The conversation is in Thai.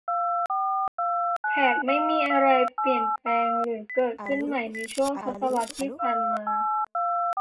แถบไม่มีอะไรเปลี่ยนแปลงหรือเกิดขึ้นใหม่ในช่วงทศวรรษที่ผ่านมา